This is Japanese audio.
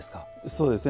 そうですね。